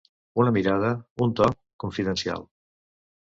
Una mirada, un to, confidencial.